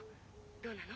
どうなの？